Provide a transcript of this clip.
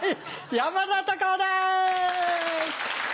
山田隆夫です！